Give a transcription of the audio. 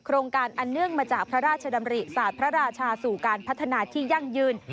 โครงการอันเนื่องมาจากพระราชดำริศาสตร์พระราชาสู่การพัฒนาที่ยั่งยืน